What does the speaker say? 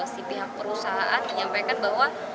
si pihak perusahaan menyampaikan bahwa